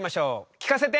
聞かせて！